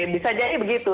bisa jadi begitu